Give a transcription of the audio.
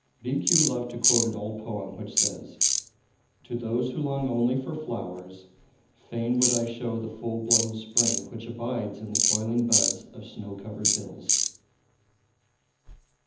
Rikiu loved to quote an old poem which says: "To those who long only for flowers, fain would I show the full blown spring which abides in the toiling buds of snow covered hills."